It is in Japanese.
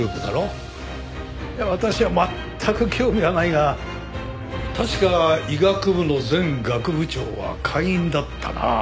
私は全く興味がないが確か医学部の前学部長は会員だったな。